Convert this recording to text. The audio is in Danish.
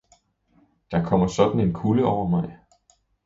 Der kommer sådan en kulde over mig!